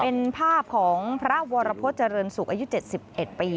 เป็นภาพของพระวรพจรรย์สุขอายุ๗๑ปี